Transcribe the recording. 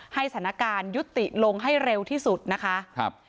สถานการณ์ยุติลงให้เร็วที่สุดนะคะครับ